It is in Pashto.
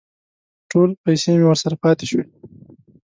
ټولې پیسې مې ورسره پاتې شوې.